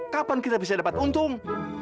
kapan kita bisa dapat untung